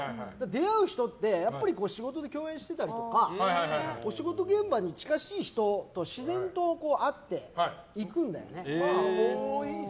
出会う人って、やっぱり仕事で共演したりとかお仕事現場に近しい人と自然と合っていくんだよね。